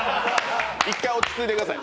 一回、落ち着いてください。